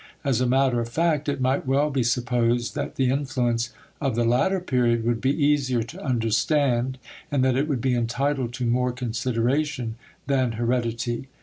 As a matter of fact, it might well be supposed that the influence of the latter period would be easier to understand, and that it would be entitled to more consideration than heredity.